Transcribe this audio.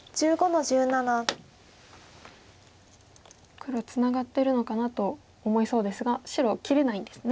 黒ツナがってるのかなと思いそうですが白切れないんですね。